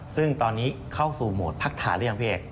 ซึ่งตอนนี้เข้าสู่โหมดพักฐานหรือยังพี่เอก